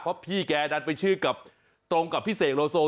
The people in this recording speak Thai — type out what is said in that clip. เพราะพี่แกดันไปชื่อกับตรงกับพี่เสกโลโซ